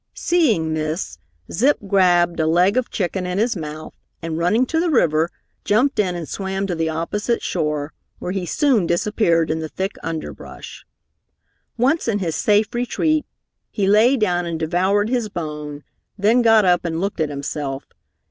Seeing this, Zip grabbed a leg of chicken in his mouth and, running to the river, jumped in and swam to the opposite shore, where he soon disappeared in the thick underbrush. Once in his safe retreat, he lay down and devoured his bone, then got up and looked at himself.